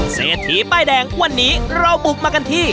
เศรษฐีป้ายแดงวันนี้เราบุกมากันที่